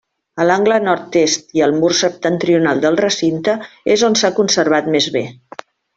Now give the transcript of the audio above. A l'angle nord-est i al mur septentrional del recinte és on s'ha conservat més bé.